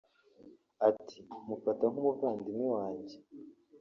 Ati “Mufata nk’umuvandimwe wanjye